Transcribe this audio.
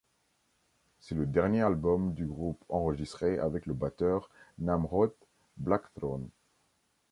C'est le dernier album du groupe enregistré avec le batteur Namroth Blackthorn.